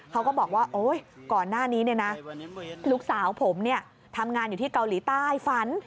เขาก็บอกว่าโอ๊ยก่อนหน้านี้ลูกสาวผมทำงานอยู่ที่เกาหลีใต้ฝัน